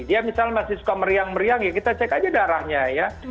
dia misalnya masih suka meriang meriang ya kita cek aja darahnya ya